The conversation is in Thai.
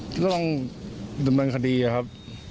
ก็ต้องดำเนินคดีครับ